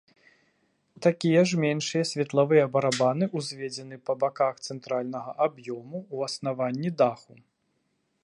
Такія ж меншыя светлавыя барабаны ўзведзены па баках цэнтральнага аб'ёму, у аснаванні даху.